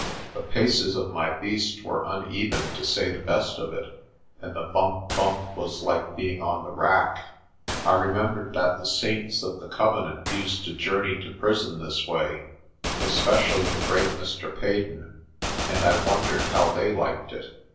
The paces of my beast were un even, to say the best of it, and the bump bump was like being on the rack. I remembered that the saints of the Covenant used to journey to prison this way, especially the great Mr. Peden, and I wondered how they liked it.